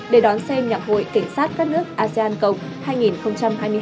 để đón xem nhạc hội cảnh sát các nước asean cộng hai nghìn hai mươi hai